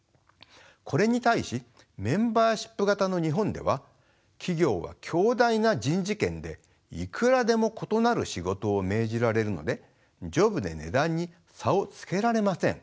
これに対しメンバーシップ型の日本では企業は強大な人事権でいくらでも異なる仕事を命じられるのでジョブで値段に差をつけられません。